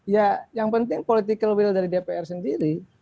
ya yang penting political will dari dpr sendiri